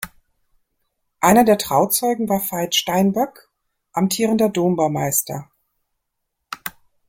Einer der Trauzeugen war Veith Steinböck, amtierender Dombaumeister.